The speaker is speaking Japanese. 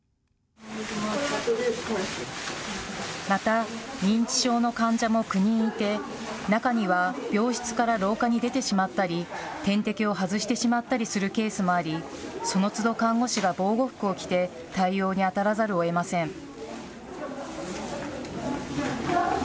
また、認知症の患者も９人いて中には病室から廊下に出てしまったり点滴を外してしまったりするケースもありそのつど看護師が防護服を着て対応にあたらざるをえません。